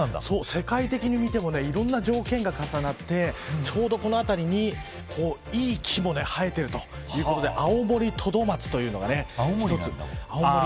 世界的に見てもいろんな条件が重なってちょうどこの辺りにいい木も生えているということでアオモリトドマツというのが。